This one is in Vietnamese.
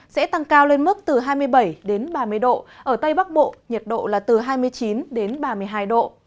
sẽ tăng cao lên mức từ hai mươi bảy đến ba mươi độ ở tây bắc bộ nhiệt độ là từ hai mươi chín đến ba mươi hai độ